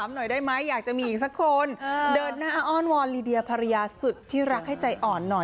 หน่อยได้ไหมอยากจะมีอีกสักคนเดินหน้าอ้อนวอนลีเดียภรรยาสุดที่รักให้ใจอ่อนหน่อย